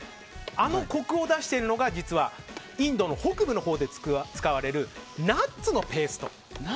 あのコクを出しているのが実はインドの北部で使われるナッツのペースト。